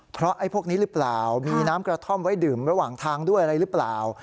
เพราะไอ้พวกนี้หรือเปล่ามีน้ำกระท่อมไว้ดื่มระหว่างทางด้วยอะไรหรือเปล่า